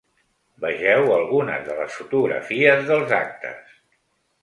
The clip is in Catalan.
Vegeu algunes de les fotografies dels actes.